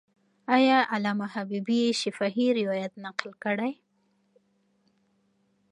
آیا علامه حبیبي شفاهي روایت نقل کړی؟